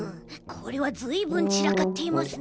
これはずいぶんちらかっていますね。